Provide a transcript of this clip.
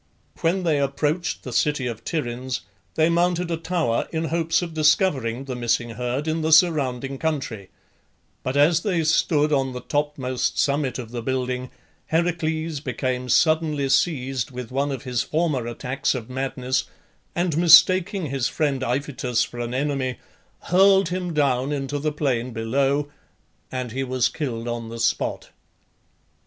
When they approached the city of Tiryns they mounted a tower in hopes of discovering the missing herd in the surrounding country; but as they stood on the topmost summit of the building, Heracles became suddenly seized with one of his former attacks of madness, and mistaking his friend Iphitus for an enemy, hurled him down into the plain below, and he was killed on the spot.